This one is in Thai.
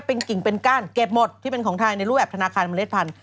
เป็นกิ่งเป็นก้านเก็บหมดที่เป็นของไทยในรูปแบบธนาคารเมล็ดพันธุ